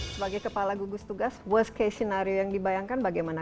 sebagai kepala gugus tugas worst case scenario yang dibayangkan bagaimana